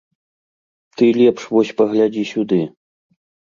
Ты лепш вось паглядзі сюды!